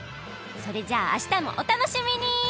それじゃああしたもお楽しみに！